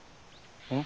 うん？